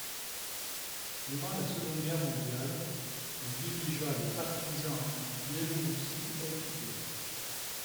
Durant la Seconde Guerre mondiale, il dirigea les partisans en Biélorussie occupée.